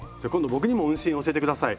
僕にも運針教えてください。